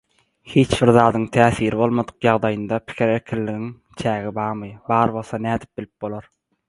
Hiçbir zadyň täsiri bolmadyk ýagdaýynda pikir erkinliginiň çägi barmy, bar bolsa nädip bilip bolar?